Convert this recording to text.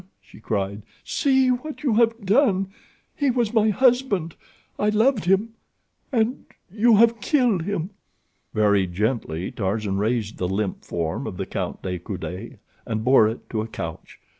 she cried. "See what you have done. He was my husband. I loved him, and you have killed him." Very gently Tarzan raised the limp form of the Count de Coude and bore it to a couch.